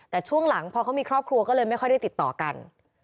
แต่ช่วงหลังพอเขามีครอบครัวก็เลยไม่ค่อยได้ติดต่อกัน